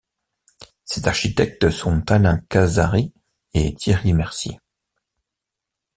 Ses architectes sont Alain Casari et Thierry Mercier.